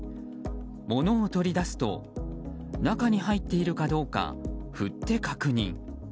物を取り出すと中に入っているかどうか振って確認。